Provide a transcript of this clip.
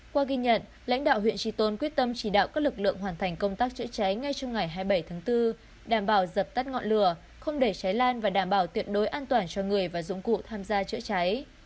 qua ghi nhận lãnh đạo huyện tri tôn quyết tâm chỉ đạo các lực lượng hoàn thành công tác chữa cháy ngay trong ngày hai mươi bảy tháng bốn đảm bảo dập tắt ngọn lửa không để cháy lan và đảm bảo tuyệt đối an toàn cho người và dụng cụ tham gia chữa cháy